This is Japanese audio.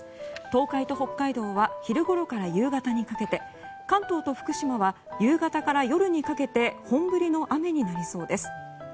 東海と北海道は昼ごろから夕方にかけて関東と福島は夕方から夜にかけて本降りの雨になりそうです。